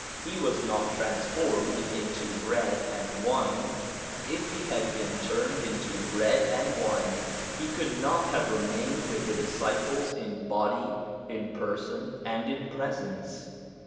He was not trans formed into bread and wine; if he had been turned into bread and wine, he could not have remained with the disciples in body, in person, and in presence.